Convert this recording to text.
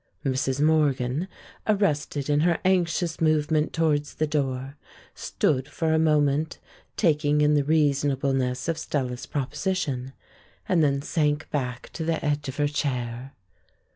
Mrs. Morgan, arrested in her anxious movement towards the door, stood for a moment taking in the reasonableness of Stella's proposition, and then sank back to the edge of her chair.